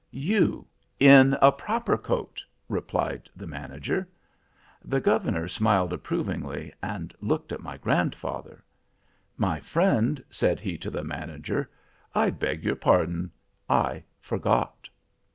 "'You, in a proper coat,' replied the manager. "The governor smiled approvingly, and looked at my grandfather. "'My friend," said he to the manager, 'I beg your pardon, I forgot.